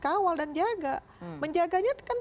kawal dan jaga menjaganya kan